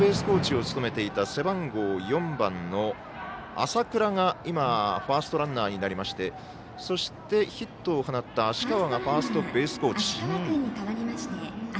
コーチを務めていた、背番号４番の朝倉がファーストランナーになりましてそして、ヒットを放った芦川がファーストベースコーチ。